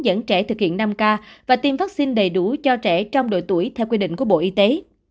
dẫn trẻ thực hiện năm k và tiêm vaccine đầy đủ cho trẻ trong độ tuổi theo quy định của bộ y tế